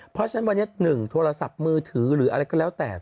เพราะฉะนั้นวันนี้๑โทรศัพท์มือถือหรืออะไรก็แล้วแต่